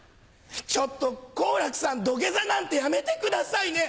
ちょっと好楽さん土下座なんてやめてくださいね。